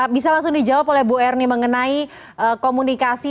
bisa langsung dijawab oleh bu erni mengenai komunikasi